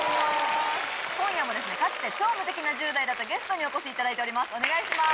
今夜もかつて超無敵な１０代だったゲストにお越しいただいております。